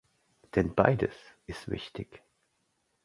Denn beides ist wichtig.